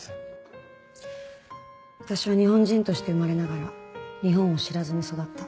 私は日本人として生まれながら日本を知らずに育った。